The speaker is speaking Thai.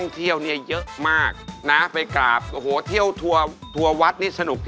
เดี๋ยวหนุ๊ยจะได้ทำอาหารให้พ่อ